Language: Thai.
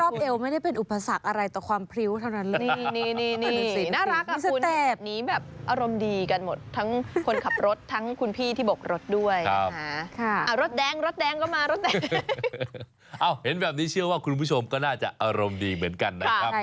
เห็นแบบนี้เชื่อว่าคุณผู้ชมก็น่าจะอารมณ์ดีเหมือนกันนะครับ